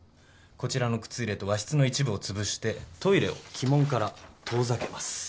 こちらの靴入れと和室の一部を潰してトイレを鬼門から遠ざけます。